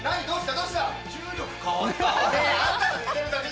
どうした？